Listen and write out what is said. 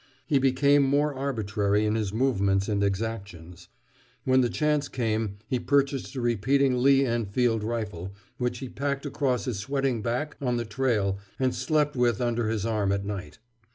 He became more arbitrary in his movements and exactions. When the chance came, he purchased a repeating Lee Enfield rifle, which he packed across his sweating back on the trail and slept with under his arm at night.